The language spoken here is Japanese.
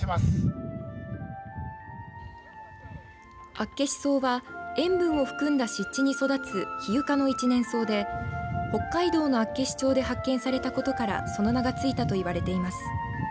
アッケシソウは塩分を含んだ湿地に育つヒユ科の一年草で北海道の厚岸町で発見されたことからその名がついたと言われています。